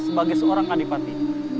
sebagai seorang adipati